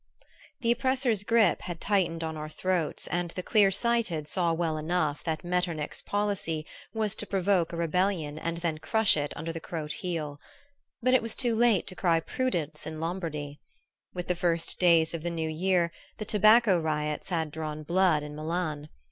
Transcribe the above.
The oppressor's grip had tightened on our throats and the clear sighted saw well enough that Metternich's policy was to provoke a rebellion and then crush it under the Croat heel. But it was too late to cry prudence in Lombardy. With the first days of the new year the tobacco riots had drawn blood in Milan.